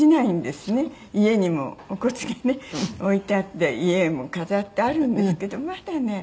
家にもお骨がね置いてあって遺影も飾ってあるんですけどまだね